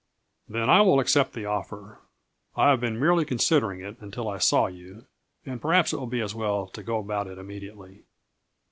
"Then I will accept the offer. I have been merely considering it until I saw you. And perhaps it will be as well to go about it immediately."